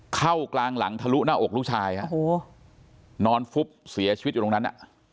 เข้ากลางหลังทะลุหน้าอกลูกชายนอนฟุบเสียชีวิตอยู่ตรงนั้น